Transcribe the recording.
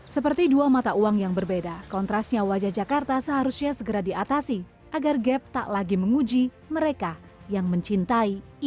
seperti dua mata uang yang berbeda kontrasnya wajah jakarta seharusnya segera diatasi agar gap tak lagi menguji mereka yang mencintai indonesia